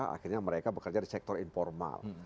akhirnya mereka bekerja di sektor informal